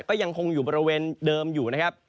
ก็ยังคงอยู่บริเวณเดิมอยู่นะครับ